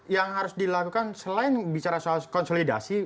yang harus dilakukan selain bicara soal konsolidasi